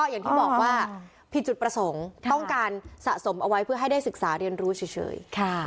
อย่างที่บอกว่าผิดจุดประสงค์ต้องการสะสมเอาไว้เพื่อให้ได้ศึกษาเรียนรู้เฉย